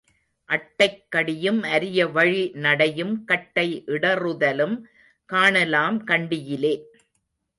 அட்டைக் கடியும் அரிய வழி நடையும் கட்டை இடறுதலும் காணலாம் கண்டியிலே.